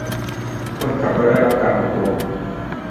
คนขับก็ได้รับการอบรม